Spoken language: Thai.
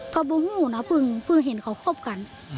ก็บูหูนะเพิ่งเห็นเขาคบกัน